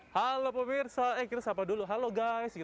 halo pemirsa eh kita siapa dulu halo guys gitu